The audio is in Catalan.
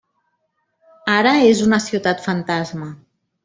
Ara és una ciutat fantasma.